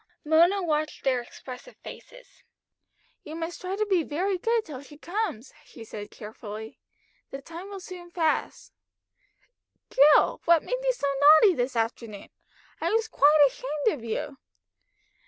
Mona watched their expressive faces. "You must try to be very good till she comes," she said cheerfully. "The time will soon pass. Jill, what made you so naughty this afternoon? I was quite ashamed of you."